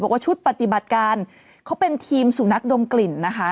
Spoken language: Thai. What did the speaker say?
ชุดปฏิบัติการเขาเป็นทีมสุนัขดมกลิ่นนะคะ